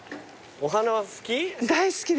お花は好き？